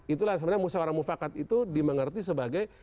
itulah sebenarnya musyawarah mufakat itu dimengerti sebagai